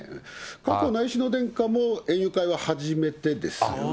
佳子内親王殿下も園遊会は初めてですね。